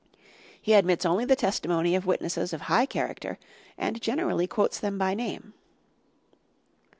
He admits only the testimony of witnesses of high character and generally quotes them by name.